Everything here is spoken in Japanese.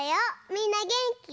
みんなげんき？